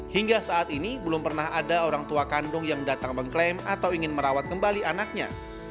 hingga saat ini belum pernah ada orang tua kandung yang datang mengklaim atau ingin merawat kembali anaknya